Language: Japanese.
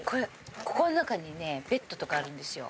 ここの中にねベッドとかあるんですよ。